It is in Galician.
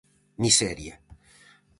Miseria.